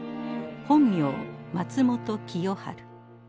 本名松本清張。